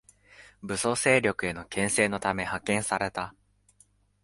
武装勢力への牽制のため派遣された